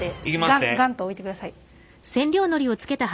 ガンッと置いてください。